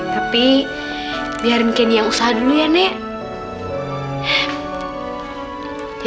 tapi biar mungkin yang usaha dulu ya nek